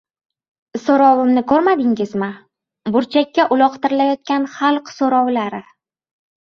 So‘rovimni ko‘rmadingizmi? Burchakka uloqtirilayotgan «xalq so‘rovlari»